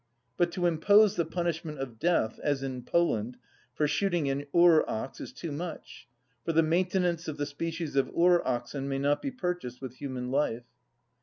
But to impose the punishment of death, as in Poland, for shooting an ure‐ox is too much, for the maintenance of the species of ure‐oxen may not be purchased with human life.